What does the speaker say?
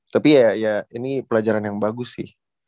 tapi ya ini pelajaran yang bagus sih